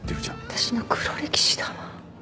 私の黒歴史だわ。